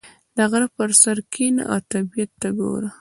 • د غره پر سر کښېنه او طبیعت ته وګوره.